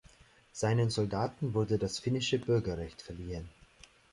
Seinen Soldaten wurde das finnische Bürgerrecht verliehen.